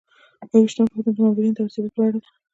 یوویشتمه پوښتنه د مامورینو د ارزیابۍ په اړه ده.